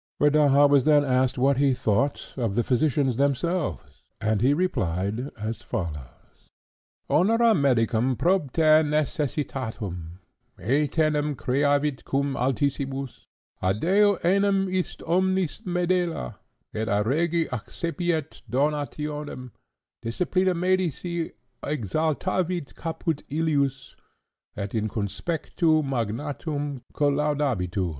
Rodaja was then asked what he though, of the physicians themselves, and he replied as follows: "Honora medicum propter necessitatem, etenim creavit cum altissimus: à Deo enim est omnis medela, et a rege accipiet donationem: disciplina medici exaltavit caput illius, et in conspectu magnatum collaudabitur.